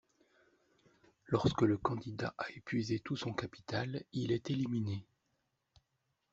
Lorsque le candidat a épuisé tout son capital, il est éliminé.